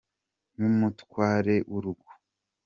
nk’umutware w’urugo.